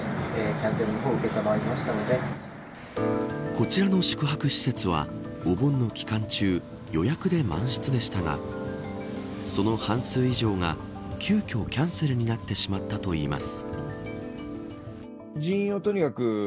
こちらの宿泊施設はお盆の期間中予約で満室でしたがその半数以上が、急きょキャンセルになってしまったといいます。